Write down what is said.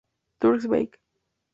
Turn back.